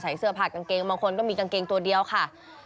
เสื้อผาดกางเกงบางคนก็มีกางเกงตัวเดียวค่ะ